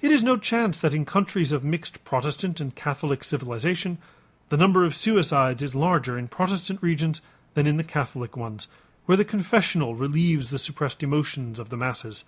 It is no chance that in countries of mixed Protestant and Catholic civilization, the number of suicides is larger in Protestant regions than in the Catholic ones where the confessional relieves the suppressed emotions of the masses.